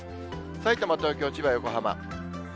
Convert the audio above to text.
さいたま、東京、千葉、横浜。